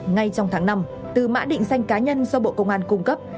ngay trong tháng năm từ mã định danh cá nhân do bộ công an cung cấp